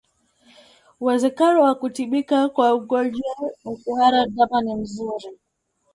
Uwezekano wa kutibika kwa ugonjwa wa kuhara ndama ni mzuri